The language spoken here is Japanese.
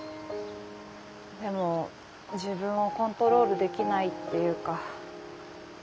でも自分をコントロールできないっていうか。